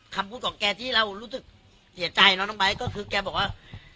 คำพูดของแกที่เรารู้สึกเสียใจเนาะน้องไบท์ก็คือแกบอกว่า